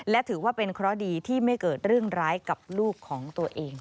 และถือว่าเป็นเคราะห์ดีที่ไม่เกิดเรื่องร้ายกับลูกของตัวเอง